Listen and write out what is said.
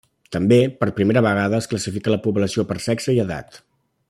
També, per primera vegada, es classifica la població per sexe i edat.